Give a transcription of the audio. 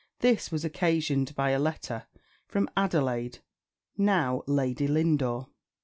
This was occasioned by a letter from Adelaide, now Lady Lindore.